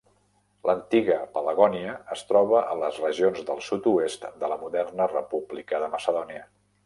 L'antiga Pelagònia es troba a les regions del sud-oest de la moderna República de Macedònia.